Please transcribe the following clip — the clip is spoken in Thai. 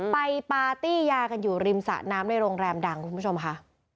ปาร์ตี้ยากันอยู่ริมสะน้ำในโรงแรมดังคุณผู้ชมค่ะ